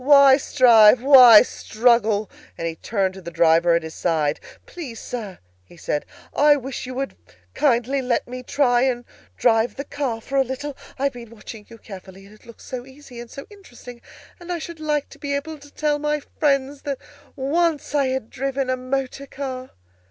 "Why strive? why struggle?" and he turned to the driver at his side. "Please, Sir," he said, "I wish you would kindly let me try and drive the car for a little. I've been watching you carefully, and it looks so easy and so interesting, and I should like to be able to tell my friends that once I had driven a motor car!"